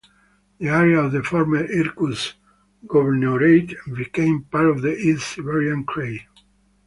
The area of the former Irkutsk Governorate became part of the East Siberian Krai.